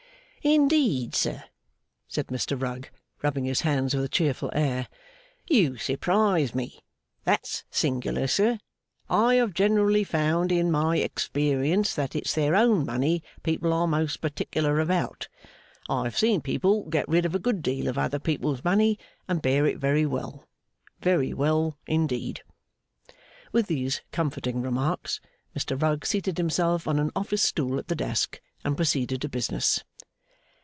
'Indeed, sir?' said Mr Rugg, rubbing his hands with a cheerful air. 'You surprise me. That's singular, sir. I have generally found, in my experience, that it's their own money people are most particular about. I have seen people get rid of a good deal of other people's money, and bear it very well: very well indeed.' With these comforting remarks, Mr Rugg seated himself on an office stool at the desk and proceeded to business.